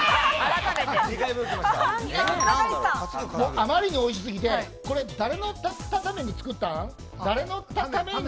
あまりにおいしすぎて、これ誰作ったん？